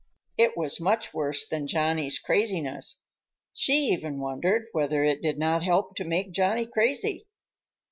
It was much worse than Johnny's craziness. She even wondered whether it did not help to make Johnny crazy.